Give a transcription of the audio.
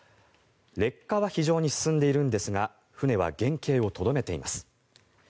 劣化は非常に進んでいるんですが船は原形をとどめています。